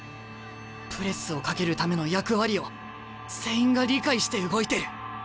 プレスをかけるための役割を全員が理解して動いてる。